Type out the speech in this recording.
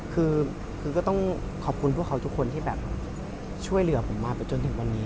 คือก็ต้องขอบคุณพวกเขาทุกคนที่แบบช่วยเหลือผมมาไปจนถึงวันนี้